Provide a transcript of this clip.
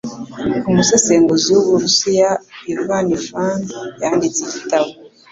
Umusesenguzi w'Uburusiya, Ivan Eland yanditse igitabo